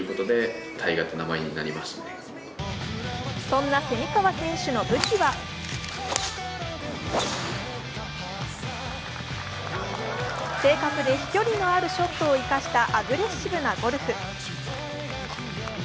そんな蝉川選手の武器は正確で飛距離のあるショットを生かしたアグレッシブなゴルフ。